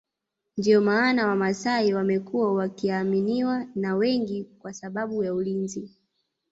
Ndio maana wamasai wamekuwa wakiaminiwa na wengi kwa sababu ya ulinzi